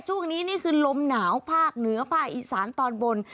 ช่วงนี้นี่คือลมหนาวภาคเหนือภาคอีสานตอนบน